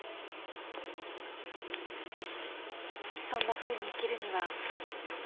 そんなふうに生きるには